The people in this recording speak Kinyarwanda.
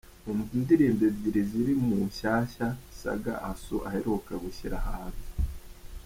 Umva indirimbo ebyiri ziri mu nshyashya Saga Assou aheruka gushyira hanze:.